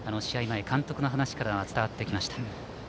前監督の話から伝わってきました。